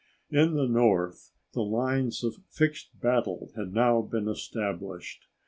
In the north, the lines of fixed battle had now been established.